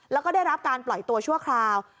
แล้วก็ได้รับการปล่อยตัวชั่วคราว